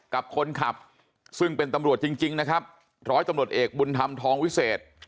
กับคนขับซึ่งเป็นตำรวจจริงจริงนะครับร้อยตำรวจเอกบุญธรรมทองวิเศษ